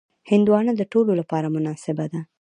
هندوانه د ټولو لپاره مناسبه ده.